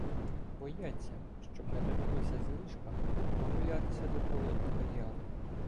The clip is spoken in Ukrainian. Бояться, щоб не довелося з ліжка "прогулятися" до Холодного Яру.